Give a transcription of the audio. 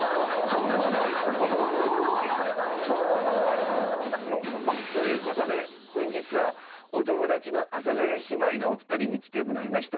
本物本物。ということで本日はお友達の阿佐ヶ谷姉妹のお二人に来てもらいました。